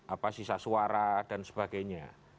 apa sisa suara dan sebagainya